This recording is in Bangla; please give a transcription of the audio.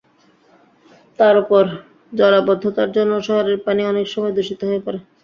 তার ওপর জলাবদ্ধতার জন্য শহরের পানি অনেক সময় দূষিত হয়ে পড়ে।